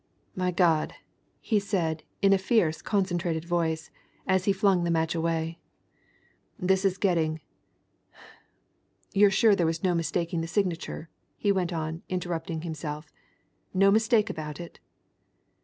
"My God!" he said in a fierce, concentrated voice as he flung the match away. "This is getting you're sure there was no mistaking the signature?" he went on, interrupting himself. "No mistake about it?"